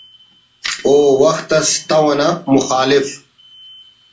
و وخت اس تہو انا مخالف